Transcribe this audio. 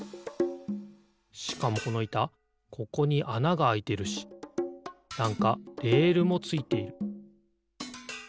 しかもこのいたここにあながあいてるしなんかレールもついている。